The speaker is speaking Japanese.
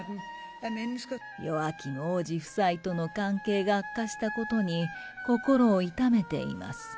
ヨアキム王子夫妻との関係が悪化したことに心を痛めています。